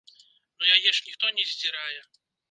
Ну яе ж ніхто не здзірае.